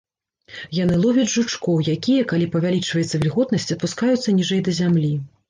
Яны ловяць жучкоў, якія, калі павялічваецца вільготнасць, апускаюцца ніжэй да зямлі.